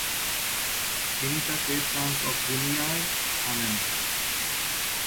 তিনি তাকে ট্রান্সঅক্সিনিয়ায় আনেন।